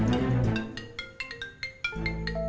kecel lebih frau